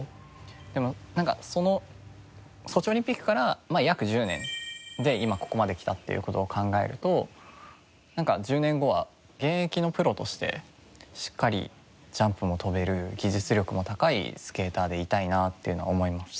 でもなんかそのソチオリンピックから約１０年で今ここまできたっていう事を考えるとなんか１０年後は現役のプロとしてしっかりジャンプも跳べる技術力も高いスケーターでいたいなっていうのは思いますね。